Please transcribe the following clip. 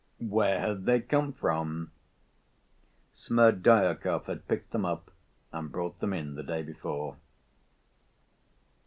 Where had they come from? Smerdyakov had picked them up and brought them in the day before.